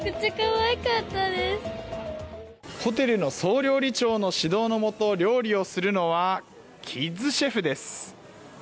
ホテルの総料理長の指導の下料理をするのはキッズシェフです。